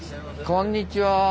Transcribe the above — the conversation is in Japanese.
こんにちは。